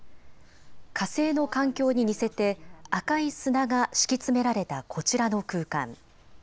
火星の環境に似せて赤い砂が敷き詰められたこちらの空間。